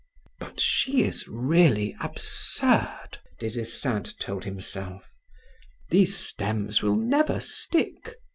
"But she is really absurd," Des Esseintes told himself. "These stems will never stick."